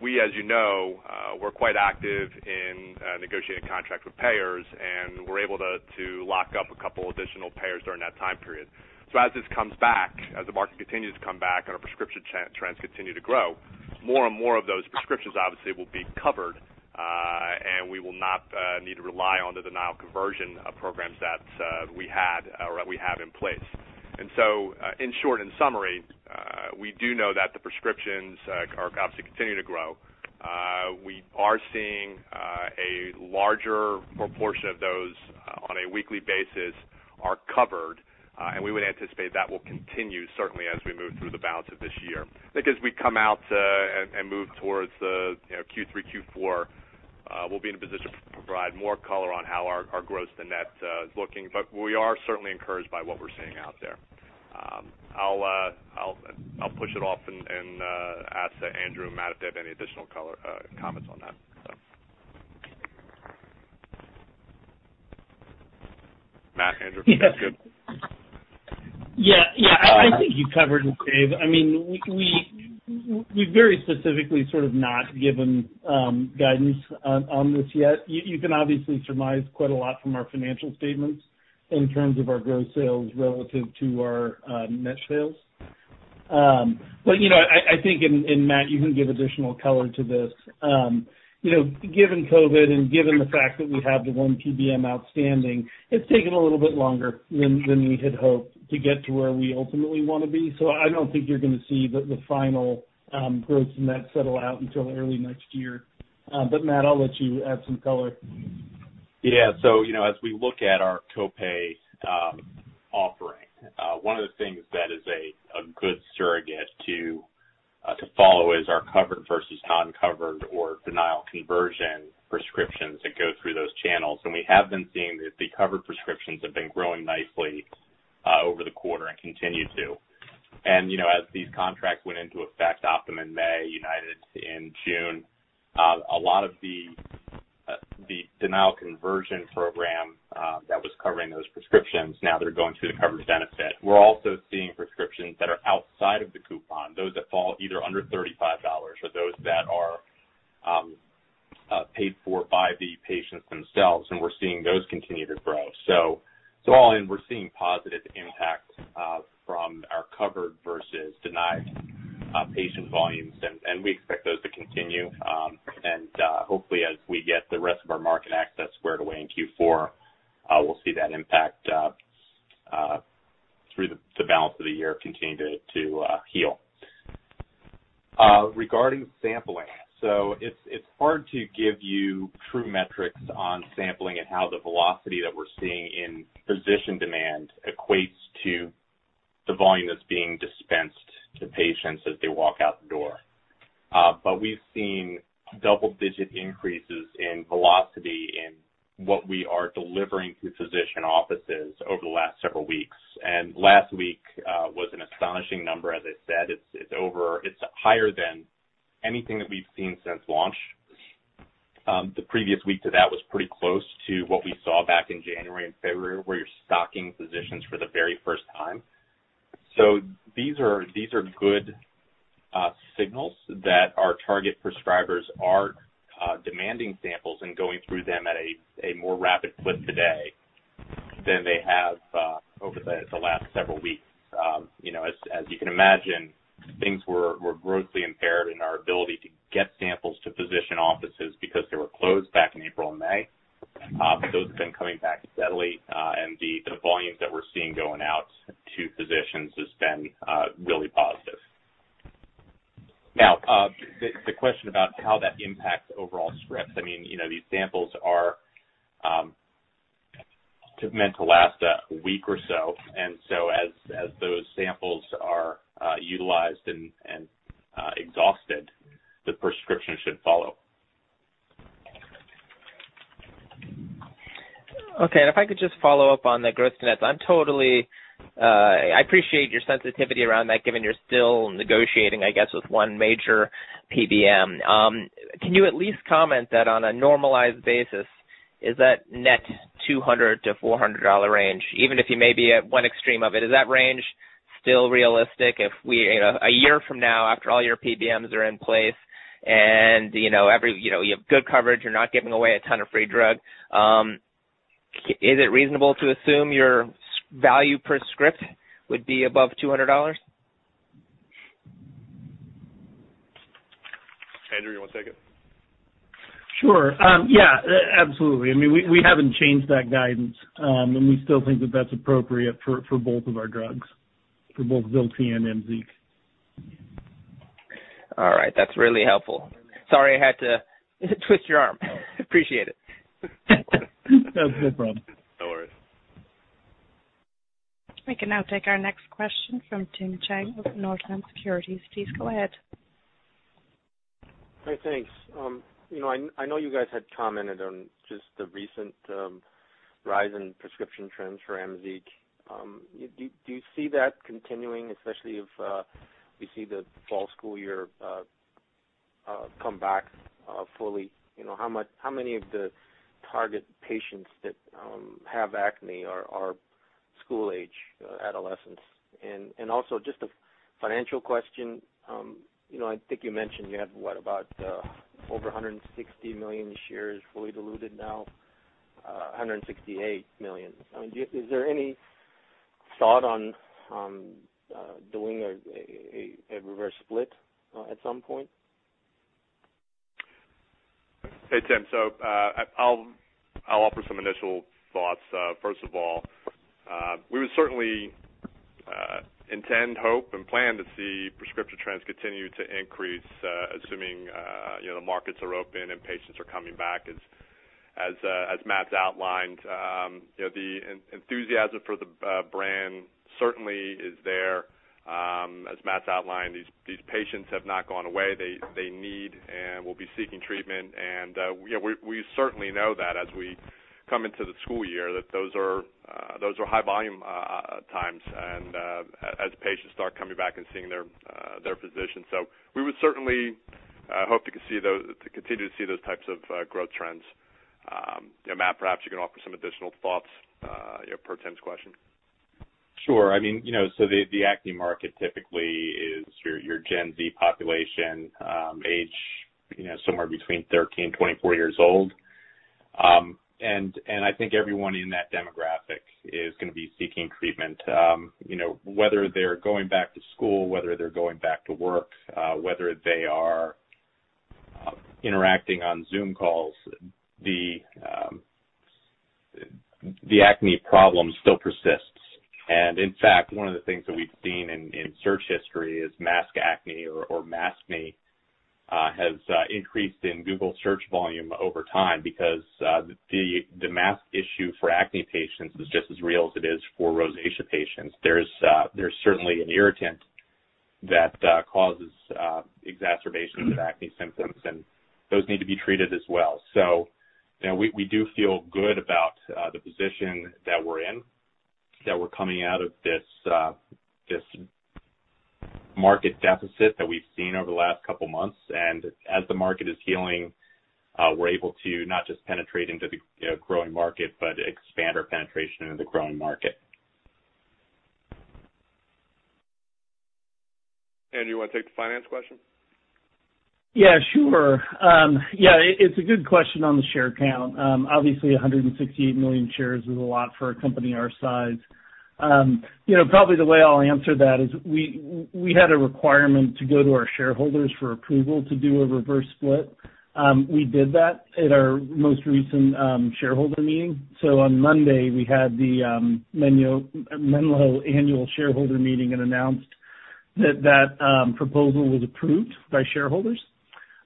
We, as you know, were quite active in negotiating contracts with payers, and were able to lock up a couple additional payers during that time period. As this comes back, as the market continues to come back and our prescription trends continue to grow, more and more of those prescriptions obviously will be covered, and we will not need to rely on the denial conversion programs that we had or that we have in place. In short, in summary, we do know that the prescriptions are obviously continuing to grow. We are seeing a larger proportion of those on a weekly basis are covered, and we would anticipate that will continue certainly as we move through the balance of this year. I think as we come out and move towards Q3, Q4, we'll be in a position to provide more color on how our gross to net is looking. We are certainly encouraged by what we're seeing out there. I'll push it off and ask Andrew and Matt if they have any additional comments on that. Matt, Andrew, if that's good. Yeah. I think you covered it, Dave. We very specifically sort of not given guidance on this yet. You can obviously surmise quite a lot from our financial statements in terms of our gross sales relative to our net sales. I think, and Matt, you can give additional color to this. Given COVID and given the fact that we have the one PBM outstanding, it's taken a little bit longer than we had hoped to get to where we ultimately want to be. I don't think you're going to see the final gross and net settle out until early next year. Matt, I'll let you add some color. Yeah. As we look at our copay offering, one of the things that is a good surrogate to follow is our covered versus non-covered or denial conversion prescriptions that go through those channels. We have been seeing that the covered prescriptions have been growing nicely over the quarter and continue to. As these contracts went into effect, Optum in May, United in June, a lot of the denial conversion program that was covering those prescriptions, now they're going to the coverage benefit. We're also seeing prescriptions that are outside of the coupon, those that fall either under $35 or those that are paid for by the patients themselves, we're seeing those continue to grow. All in, we're seeing positive impacts from our covered versus denied patient volumes, we expect those to continue. Hopefully as we get the rest of our market access squared away in Q4, we'll see that impact through the balance of the year continue to heal. Regarding sampling. It's hard to give you true metrics on sampling and how the velocity that we're seeing in physician demand equates to the volume that's being dispensed to patients as they walk out the door. We've seen double-digit increases in velocity in what we are delivering to physician offices over the last several weeks. Last week was an astonishing number. As I said, it's higher than anything that we've seen since launch. The previous week to that was pretty close to what we saw back in January and February, where you're stocking physicians for the very first time. These are good signals that our target prescribers are demanding samples and going through them at a more rapid clip today than they have over the last several weeks. As you can imagine, things were grossly impaired in our ability to get samples to physician offices because they were closed back in April and May. Those have been coming back steadily. The volumes that we're seeing going out to physicians has been really positive. The question about how that impacts overall scripts, these samples are meant to last a week or so. As those samples are utilized and exhausted, the prescription should follow. Okay. If I could just follow up on the gross nets. I appreciate your sensitivity around that, given you're still negotiating, I guess, with one major PBM. Can you at least comment that on a normalized basis, is that net $200-$400 range, even if you may be at one extreme of it, is that range still realistic if a year from now, after all your PBMs are in place and you have good coverage, you're not giving away a ton of free drug. Is it reasonable to assume your value per script would be above $200? Andrew, you want to take it? Sure. Yeah, absolutely. We haven't changed that guidance. We still think that that's appropriate for both of our drugs, for both ZILXI and AMZEEQ. All right. That's really helpful. Sorry, I had to twist your arm. Appreciate it. No problem. No worries. We can now take our next question from Tim Chiang with Northland Securities. Please go ahead. Hey, thanks. I know you guys had commented on just the recent rise in prescription trends for AMZEEQ. Do you see that continuing, especially if we see the fall school year come back fully? How many of the target patients that have acne are school-age adolescents? Also just a financial question. I think you mentioned you have about over 160 million shares fully diluted now, 168 million. Is there any thought on doing a reverse split at some point? Hey, Tim. I'll offer some initial thoughts. First of all, we would certainly intend, hope, and plan to see prescription trends continue to increase, assuming the markets are open and patients are coming back. As Matt's outlined, the enthusiasm for the brand certainly is there. As Matt's outlined, these patients have not gone away. They need and will be seeking treatment. We certainly know that as we come into the school year, that those are high volume times and as patients start coming back and seeing their physicians. We would certainly hope to continue to see those types of growth trends. Matt, perhaps you can offer some additional thoughts per Tim's question. Sure. The acne market typically is your Gen Z population, age somewhere between 13 to 24 years old. I think everyone in that demographic is going to be seeking treatment. Whether they're going back to school, whether they're going back to work, whether they are interacting on Zoom calls, the acne problem still persists. In fact, one of the things that we've seen in search history is mask acne or maskne has increased in Google Search volume over time because the mask issue for acne patients is just as real as it is for rosacea patients. There's certainly an irritant that causes exacerbation of acne symptoms, and those need to be treated as well. We do feel good about the position that we're in, that we're coming out of this market deficit that we've seen over the last couple of months, and as the market is healing, we're able to not just penetrate into the growing market, but expand our penetration into the growing market. Andrew, you want to take the finance question? Yeah, sure. Yeah, it's a good question on the share count. Obviously, 168 million shares is a lot for a company our size. Probably the way I'll answer that is we had a requirement to go to our shareholders for approval to do a reverse split. We did that at our most recent shareholder meeting. On Monday, we had the Menlo annual shareholder meeting and announced that that proposal was approved by shareholders.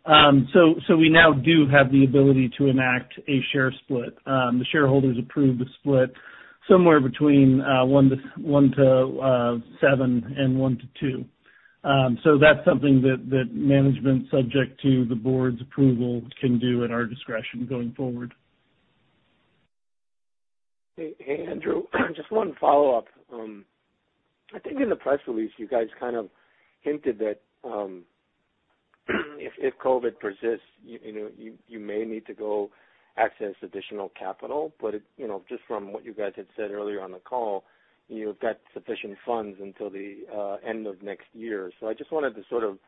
We now do have the ability to enact a share split. The shareholders approved a split somewhere between one to seven and one to two. That's something that management, subject to the board's approval, can do at our discretion going forward. Hey, Andrew, just one follow-up. I think in the press release, you guys kind of hinted that if COVID persists, you may need to go access additional capital. Just from what you guys had said earlier on the call, you've got sufficient funds until the end of next year. I just wanted to sort of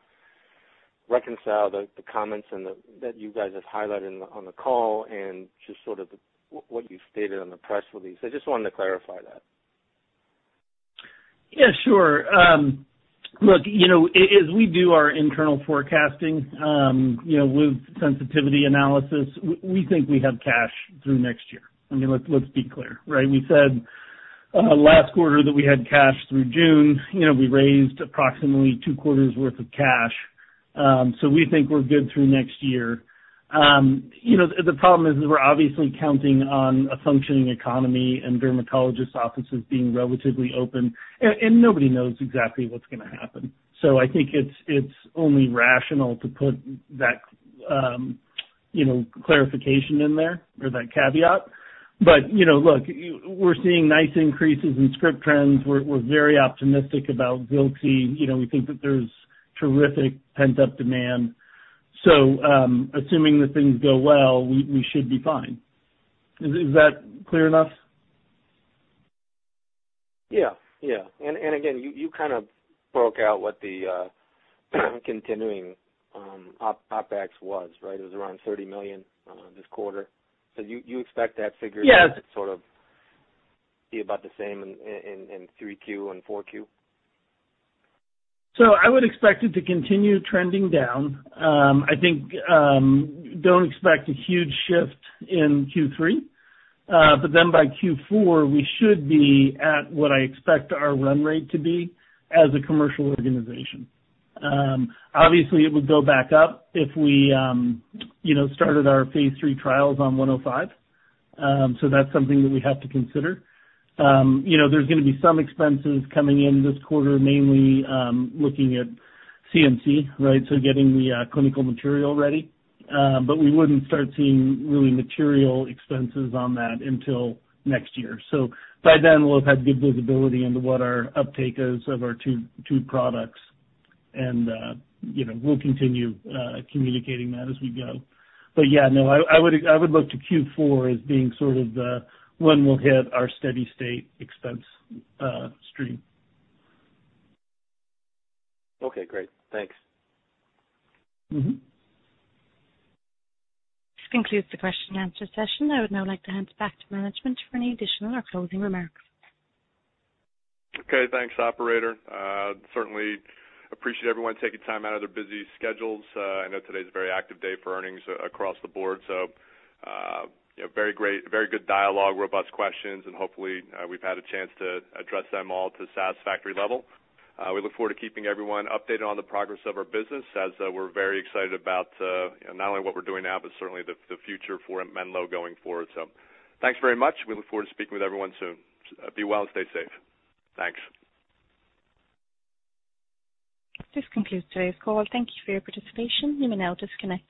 reconcile the comments that you guys have highlighted on the call and just sort of what you stated on the press release. I just wanted to clarify that. Yeah, sure. Look, as we do our internal forecasting with sensitivity analysis, we think we have cash through next year. I mean, let's be clear, right? We said last quarter that we had cash through June. We raised approximately two quarters' worth of cash. We think we're good through next year. The problem is we're obviously counting on a functioning economy and dermatologist offices being relatively open, and nobody knows exactly what's going to happen. I think it's only rational to put that clarification in there or that caveat. Look, we're seeing nice increases in script trends. We're very optimistic about ZILXI. We think that there's terrific pent-up demand. Assuming that things go well, we should be fine. Is that clear enough? Yeah. Again, you kind of broke out what the continuing OpEx was, right? It was around $30 million this quarter. Yeah to sort of be about the same in 3Q and 4Q? I would expect it to continue trending down. I think, don't expect a huge shift in Q3, by Q4, we should be at what I expect our run rate to be as a commercial organization. Obviously, it would go back up if we started our phase III trials on 105. That's something that we have to consider. There's going to be some expenses coming in this quarter, mainly looking at CMC, right? Getting the clinical material ready. We wouldn't start seeing really material expenses on that until next year. By then, we'll have had good visibility into what our uptake is of our two products, and we'll continue communicating that as we go. Yeah, no, I would look to Q4 as being sort of the, when we'll hit our steady state expense stream. Okay, great. Thanks. This concludes the question and answer session. I would now like to hand it back to management for any additional or closing remarks. Okay, thanks, operator. Certainly appreciate everyone taking time out of their busy schedules. I know today's a very active day for earnings across the board. Very good dialogue, robust questions, and hopefully, we've had a chance to address them all to a satisfactory level. We look forward to keeping everyone updated on the progress of our business as we're very excited about not only what we're doing now, but certainly the future for Menlo going forward. Thanks very much. We look forward to speaking with everyone soon. Be well and stay safe. Thanks. This concludes today's call. Thank you for your participation. You may now disconnect.